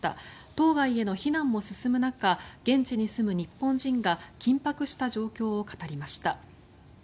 島外への避難も進む中現地に住む日本人が緊迫した状況を語りました。